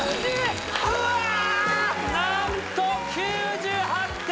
なんと９８点。